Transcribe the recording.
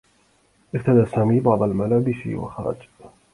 ارتدى سامي بعض الملابس و خرج.